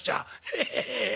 「ヘヘヘヘ」。